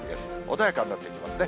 穏やかになってきますね。